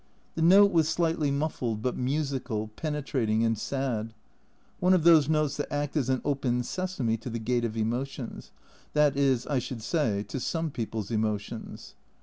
The note was slightly muffled, but musical, penetrating, and sad one of those notes that act as an " Open Sesame " to the gate of emotions that is, I should say, to some people's emotions.